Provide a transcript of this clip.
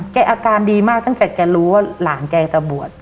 อาการดีมากตั้งแต่แกรู้ว่าหลานแกจะบวช